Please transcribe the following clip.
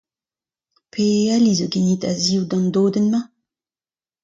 Pe ali zo ganit a-zivout an dodenn-mañ ?